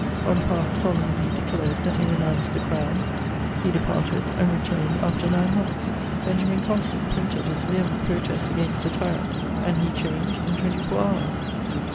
Bonaparte solemnly declared that he renounced the crown; he departed, and returned after nine months. Benjamin Constant printed his vehement protest against the tyrant, and he changed in twenty four hours.